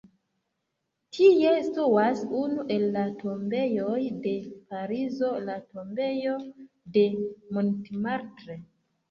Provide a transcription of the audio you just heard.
Tie situas unu el la tombejoj de Parizo, la tombejo de Montmartre.